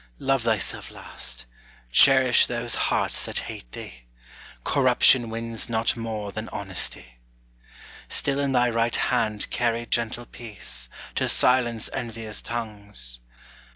Love thyself last: cherish those hearts that hate thee: Corruption wins not more than honesty. Still in thy right hand carry gentle peace, To silence envious tongues.